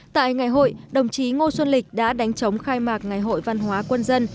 tại ngày hội đồng chí ngô xuân lịch đã đánh chống khai mạc ngày hội văn hóa quân dân